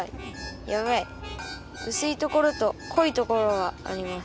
やばいうすいところとこいところがあります。